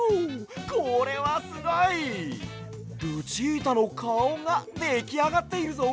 これはすごい！ルチータのかおができあがっているぞ！